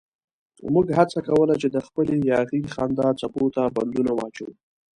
موږ هڅه کوله چې د خپلې یاغي خندا څپو ته بندونه واچوو.